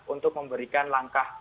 untuk memberikan langkah